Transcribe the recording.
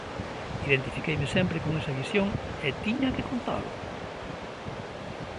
Identifiqueime sempre con esa visión e tiña que contalo.